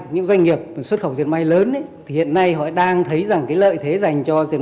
những doanh nghiệp xuất khẩu diệt may lớn thì hiện nay họ đang thấy rằng cái lợi thế dành cho